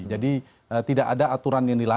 jadi tidak ada aturan yang diberikan